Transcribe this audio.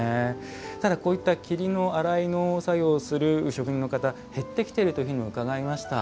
ただこういった桐の洗いの作業をする職人の方減ってきているというふうにも伺いました。